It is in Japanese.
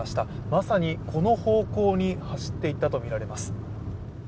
まさにこの方向に走っていったとみられます。